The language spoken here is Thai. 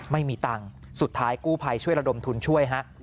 ไม่มีตังค์สุดท้ายกู้ภัยช่วยระดมทุนช่วยฮะ